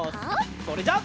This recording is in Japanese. それじゃあ。